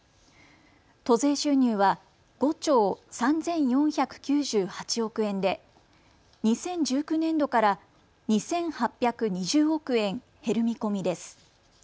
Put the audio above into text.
都税収入は５兆３４９８億円で２０１９年度から２８２０億円減る見込みです。